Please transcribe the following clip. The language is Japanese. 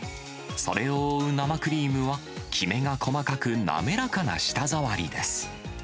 それを覆う生クリームは、きめが細かく滑らかな舌触りです。